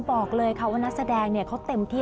บอกเลยค่ะว่านักแสดงเขาเต็มที่